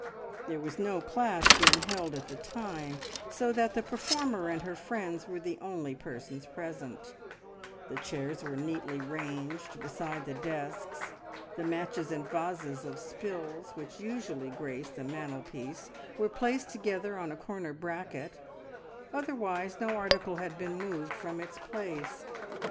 There was no class being held at the time, so that the performer and her friends were the only persons present; the chairs were neatly ranged beside the desks, the matches and vases of spills which usually graced the mantelpiece were placed together on a corner bracket, otherwise no article had been moved from its place.